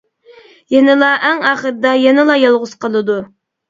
يەنىلا ئەڭ ئاخىرىدا يەنىلا يالغۇز قالىدۇ.